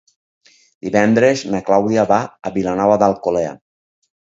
Divendres na Clàudia va a Vilanova d'Alcolea.